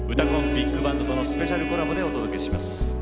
ビッグバンドとのスペシャルコラボでお届けします。